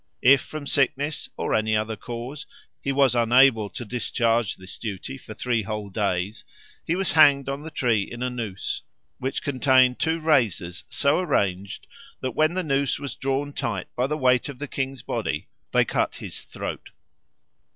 If from sickness or any other cause he was unable to discharge this duty for three whole days, he was hanged on the tree in a noose, which contained two razors so arranged that when the noose was drawn tight by the weight of the king's body they cut his throat.